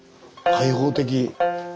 開放的。